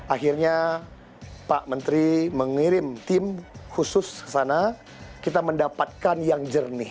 akhirnya pak menteri mengirim tim khusus ke sana kita mendapatkan yang jernih